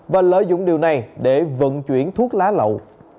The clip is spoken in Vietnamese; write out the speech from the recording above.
và lợi dụng điều này để vận chuyển thuốc lá lậu